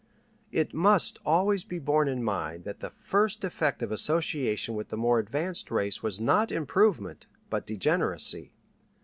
It must always be borne in mind that the first effect of association with the more advanced race was not improvement but degeneracy.